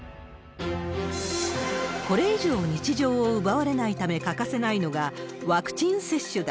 これ以上日常を奪われないため欠かせないのが、ワクチン接種だ。